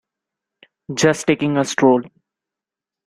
Just taking a stroll.